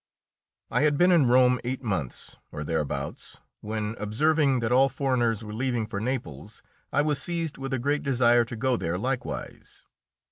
I had been in Rome eight months or thereabouts, when, observing that all foreigners were leaving for Naples, I was seized with a great desire to go there likewise.